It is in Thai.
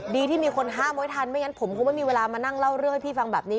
ที่มีคนห้ามไว้ทันไม่งั้นผมคงไม่มีเวลามานั่งเล่าเรื่องให้พี่ฟังแบบนี้